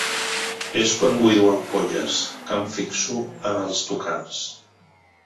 És quan buido ampolles que em fixo en els tucans.